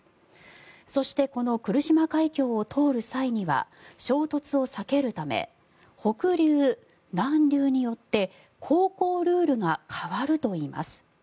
そしてこの来島海峡を通る際には衝突を避けるため北流、南流によって航行ルールが変わるといいます。